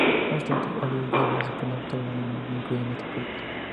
No obstante, Oliver Weber es el primer fotógrafo alemán incluido en este proyecto.